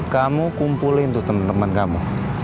kamu kumpulin tuh temen temen kamu